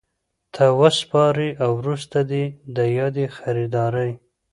ته وسپاري او وروسته دي د یادي خریدارۍ